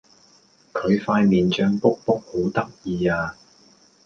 佢塊面脹畐畐好得意呀